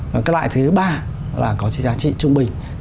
và cái loại thứ ba là có giá trị trung bình